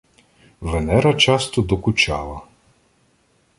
Венера часто докучала